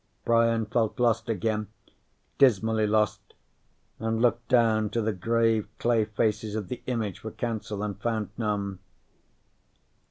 Brian felt lost again, dismally lost, and looked down to the grave clay faces of the image for counsel, and found none.